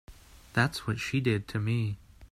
That's what she did to me.